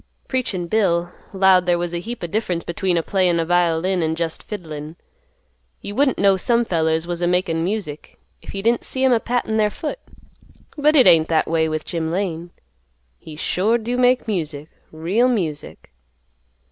Preachin' Bill "'lowed there was a heap o' difference between a playin' a violin an' jest fiddlin'. You wouldn't know some fellers was a makin' music, if you didn't see 'em a pattin' their foot; but hit ain't that a way with Jim Lane. He sure do make music, real music."